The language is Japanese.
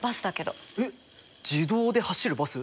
えっ自動で走るバス？